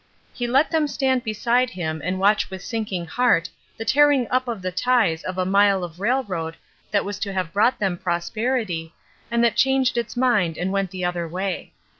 He let them stand beside him and watch with sinking heart the tearing up of the ties of a mile of railroad that was to have brought them prosperity, and that changed its mind and went the other way.